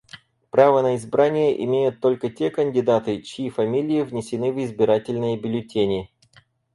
Право на избрание имеют только те кандидаты, чьи фамилии внесены в избирательные бюллетени.